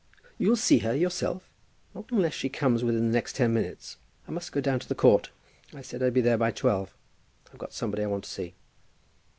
"You'll see her yourself?" "Not unless she comes within the next ten minutes. I must go down to the court. I said I'd be there by twelve. I've got somebody I want to see."